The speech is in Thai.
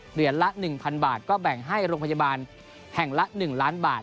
เหรียญละ๑๐๐๐บาทก็แบ่งให้โรงพยาบาลแห่งละ๑ล้านบาท